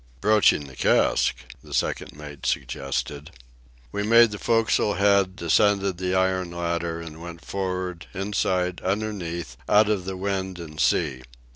"Broaching the cask," the second mate suggested. We made the forecastle head, descended the iron ladder, and went for'ard, inside, underneath, out of the wind and sea.